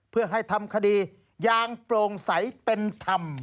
เพื่อให้ทำคดีอย่างโปร่งใสเป็นธรรม